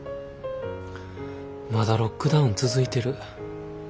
まだロックダウン続いてる。